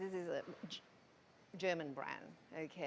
ini adalah brand jerman oke